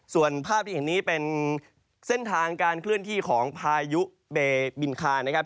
ส่วนภาพที่เห็นนี้เป็นเส้นทางการเคลื่อนที่ของพายุเบบินคานะครับ